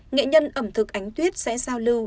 nghệ nhân ẩm thực ánh tuyết sẽ giao lưu